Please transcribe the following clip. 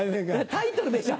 タイトルでしょ？